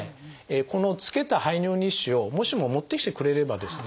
このつけた排尿日誌をもしも持ってきてくれればですね